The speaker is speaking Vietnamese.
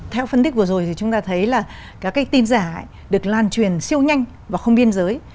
theo phân tích vừa rồi thì chúng ta thấy là các cái tin giả được lan truyền siêu nhanh và không biên giới